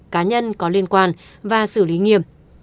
cá nhân có liên quan và xử lý nghiêm